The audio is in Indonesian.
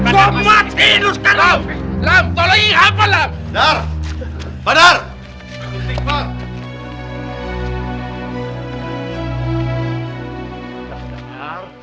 lam lam tolong ih apa lam dar pada